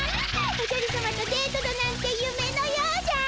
おじゃるさまとデートだなんて夢のようじゃ。